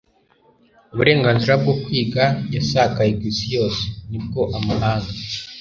uburengazira bwo kwiga yasakaye ku isi yose. ni bwo amahanga